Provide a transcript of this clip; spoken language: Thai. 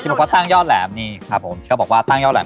ที่บอกว่าให้แหลมสายลงหลั่นเป็นตั้งยอดแหลม